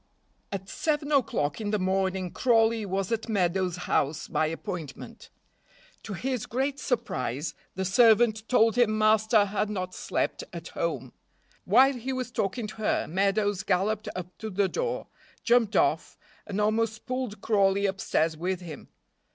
AT seven o'clock in the morning Crawley was at Meadows' house by appointment. To his great surprise the servant told him master had not slept at home. While he was talking to her Meadows galloped up to the door, jumped off, and almost pulled Crawley upstairs with him.